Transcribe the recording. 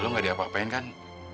lo gak diapa apain kan